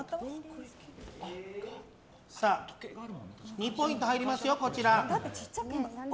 ２ポイント入りますよ。